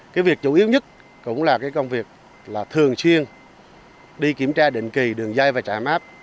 cái việc chủ yếu nhất cũng là cái công việc thường xuyên đi kiểm tra định kỳ đường dây và trạm áp